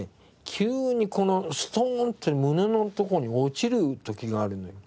急にこのストンって胸のところに落ちる時があるのよ。